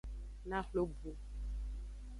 Naxwle bu.